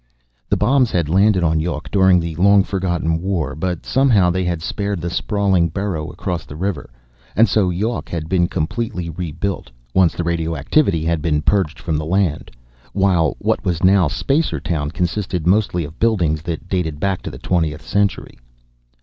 The bombs had landed on Yawk during the long forgotten war, but somehow they had spared the sprawling borough across the river. And so Yawk had been completely rebuilt, once the radioactivity had been purged from the land, while what was now Spacertown consisted mostly of buildings that dated back to the Twentieth Century.